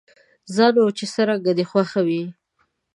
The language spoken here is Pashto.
ځه نو، چې څرنګه دې خوښه وي.